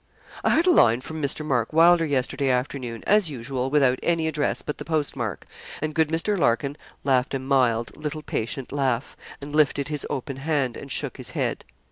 'I had a line from Mr. Mark Wylder yesterday afternoon, as usual without any address but the postmark;' and good Mr. Larkin laughed a mild, little patient laugh, and lifted his open hand, and shook his head.